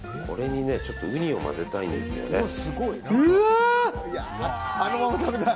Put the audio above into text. これにねウニを混ぜたいんですよね。